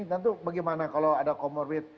tentu bagaimana kalau ada comorbid